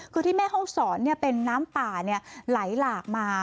คือที่แม่ห้องศรเนี่ยเป็นน้ำป่าเนี่ยไหลหลากมา